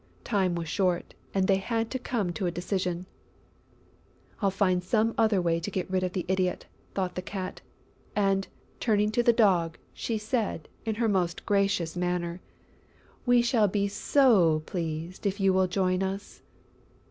Time was short and they had to come to a decision. "I'll find some other way to get rid of the idiot!" thought the Cat. And, turning to the Dog, she said, in her most gracious manner, "We shall be so pleased if you will join us!"